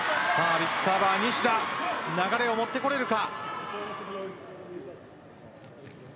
ビッグサーバー西田流れを持ってこれるか。